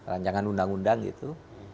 rancangan undang undang gitu